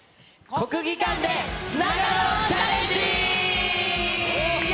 国技館でつながろうチャレンジ。